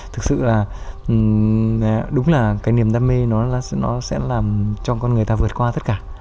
thực sự là đúng là cái niềm đam mê nó sẽ làm cho con người ta vượt qua tất cả